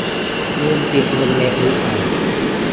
ลืมปิดวงเล็บหรือเปล่า